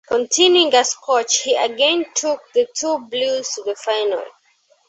Continuing as coach, he again took the Two Blues to the finals.